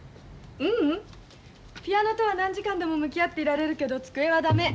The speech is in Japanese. ピアノとは何時間でも向き合っていられるけど机は駄目。